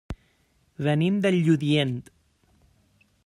Venim de Lludient.